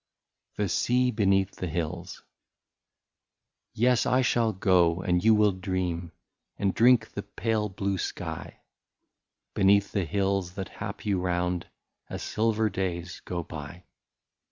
77 THE SEA BENEATH THE HILLS. Yes ! I shall go, and you will dream, And drink the pale blue sky, Beneath the hills that hap you round. As silver days go by.